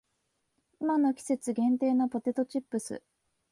今の季節限定のポテトチップス